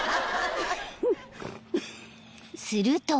［すると］